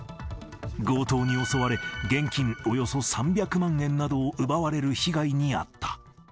強盗に襲われ、現金およそ３００万円などを奪われる被害に遭った。